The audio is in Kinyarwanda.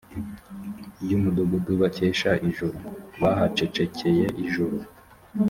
ry umudugudu bakesha ijoro bahacecekeye ijoro